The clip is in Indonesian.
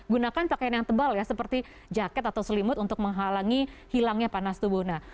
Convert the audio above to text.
gunakan pakaian yang tebal ya seperti jaket atau selimut untuk menghalangi hilangnya panas tubuh